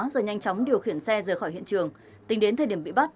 rồi nhanh chóng điều khiển xe rời khỏi hiện trường tính đến thời điểm bị bắt